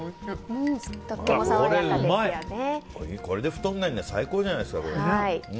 これで太らないの最高じゃないですか。